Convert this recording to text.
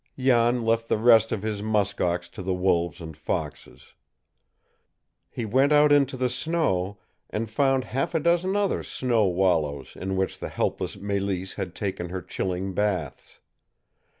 Jan left the rest of his musk ox to the wolves and foxes. He went out into the snow, and found half a dozen other snow wallows in which the helpless Mélisse had taken her chilling baths.